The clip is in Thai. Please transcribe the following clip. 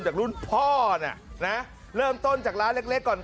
แต่รุ่นพอเนี่ยนะเริ่มต้นจากร้านเล็กก่อนขายตามหมู่บ้าน